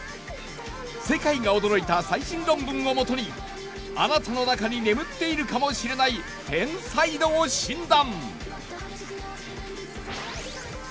世界が驚いた最新論文を基にあなたの中に眠っているかもしれない天才度を診断。